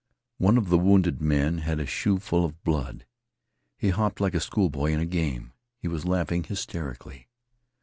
One of the wounded men had a shoeful of blood. He hopped like a schoolboy in a game. He was laughing hysterically.